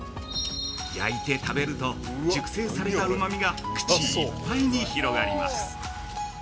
焼いて食べると、熟成されたうまみみが口一杯に広がります。